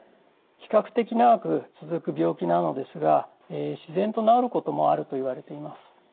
比較的長く続く病気なのですが自然と治ることもあるといわれています。